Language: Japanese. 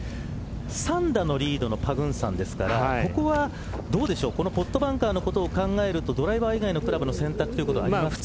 ３打のリードのパグンサンですからここはどうでしょうポットバンカーのことを考えるとドライバー以外のクラブの選択はありますか。